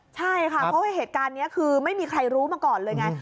ใช่ค่ะเพราะว่าเหตุการณ์นี้คือไม่มีใครรู้มาก่อนเลยไง